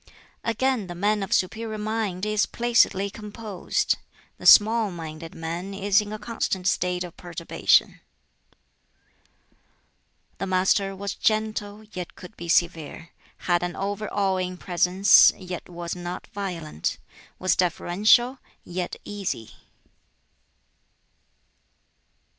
Again, "The man of superior mind is placidly composed; the small minded man is in a constant state of perturbation." The Master was gentle, yet could be severe; had an over awing presence, yet was not violent; was deferential, yet easy.